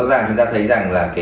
rõ ràng chúng ta thấy rằng là